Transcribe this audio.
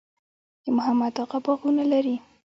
د محمد اغه باغونه لري